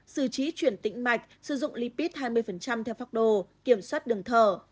xử trí chuyển tĩnh mạch sử dụng lipid hai mươi theo pháp đồ kiểm soát đường thở